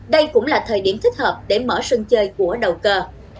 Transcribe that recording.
đây cũng là thời điểm thích hợp để mở sân chơi của đầu cơ